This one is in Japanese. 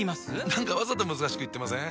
何かわざと難しく言ってません？